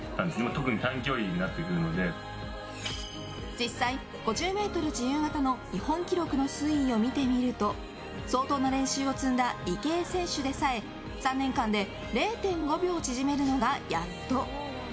実際、５０ｍ自由形の日本記録の推移を見てみると相当な練習を積んだ池江選手でさえ３年間で０．５秒縮めるのがやっと。